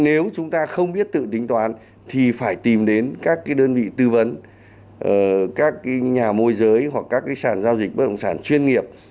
nếu chúng ta không biết tự tính toán thì phải tìm đến các đơn vị tư vấn các nhà môi giới hoặc các sản giao dịch bất động sản chuyên nghiệp